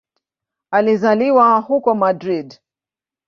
Alizaliwa huko Madrid.